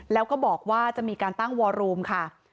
แล้วก็บอกว่าจะมีการตั้งวอรูมค่ะ